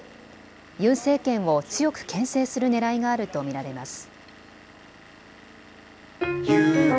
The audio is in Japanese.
ユン政権を強くけん制するねらいがあると見られます。